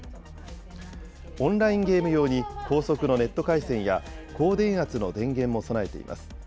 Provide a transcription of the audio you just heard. オンラインゲーム用に高速のネット回線や高電圧の電源も備えています。